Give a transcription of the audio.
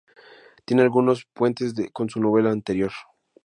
Tiende algunos puentes con su novela anterior.